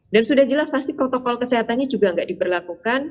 dan sudah jelas pasti protokol kesehatannya juga tidak diberlakukan